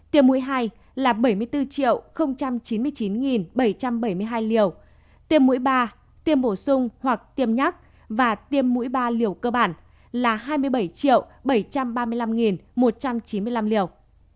tiêm mũi hai là bảy mươi bốn chín mươi chín bảy trăm bảy mươi hai liều tiêm mũi ba tiêm bổ sung hoặc tiêm nhắc và tiêm mũi ba liều cơ bản là hai mươi bảy bảy trăm ba mươi năm một trăm chín mươi năm liều